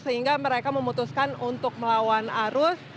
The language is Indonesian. sehingga mereka memutuskan untuk melawan arus